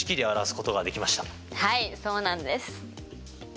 はいそうなんです。